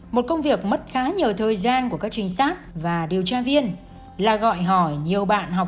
một công việc mất khá nhiều thời gian của các trinh sát và điều tra viên là gọi hỏi nhiều bạn học